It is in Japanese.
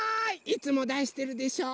いつもだしてるでしょ。